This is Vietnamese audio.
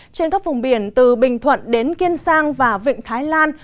trên các vùng biển từ bình thuận đến kiên sang và vịnh thái lan